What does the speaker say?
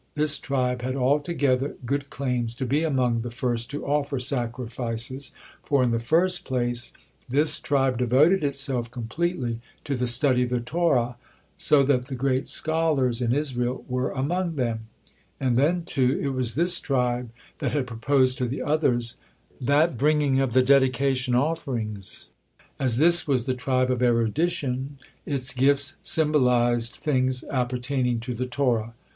This tribe had altogether good claims to be among the first to offer sacrifices, for, in the first place, this tribe devoted itself completely to the study of the Torah, so that the great scholars in Israel were among them; and then, too, it was this tribe that had proposed to the others that bringing of the dedication offerings. As this was the tribe of erudition, its gifts symbolized things appertaining to the Torah.